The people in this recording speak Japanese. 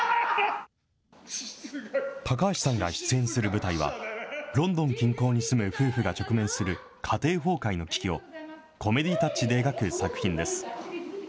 高橋さんが出演する舞台は、ロンドン近郊に住む夫婦が直面する家庭崩壊の危機を、コメディータッチで描く作品です。